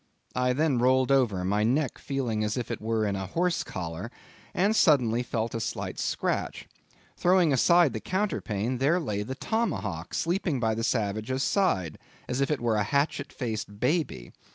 I then rolled over, my neck feeling as if it were in a horse collar; and suddenly felt a slight scratch. Throwing aside the counterpane, there lay the tomahawk sleeping by the savage's side, as if it were a hatchet faced baby.